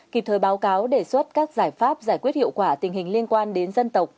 kịp thời báo cáo đề xuất các giải pháp giải quyết hiệu quả tình hình liên quan đến dân tộc